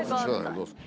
どうですか？